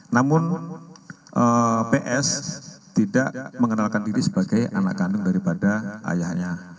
namun ps tidak mengenalkan diri sebagai anak kandung daripada ayahnya